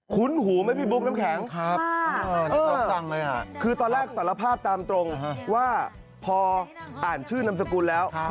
คุ้นหูไหมพี่บุ๊กน้ำแข็งมากเออคือตอนแรกสารภาพตามตรงว่าพออ่านชื่อนำสกุลแล้วไม่คุ้น